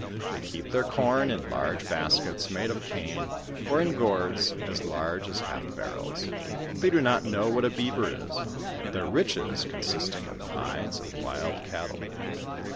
They keep their corn in large baskets, made of cane, or in gourds, as large as half bari'els. They do not know what a beaver is ; their riches consisting in the hides of wild cattle.